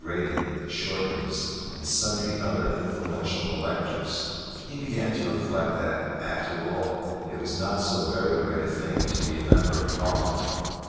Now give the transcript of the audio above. Grating, Shortribs, and sundry other influential electors, he began to reflect that, after all, it was not so very great a thing to be a member of Parliament.